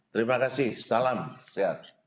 terima kasih salam sehat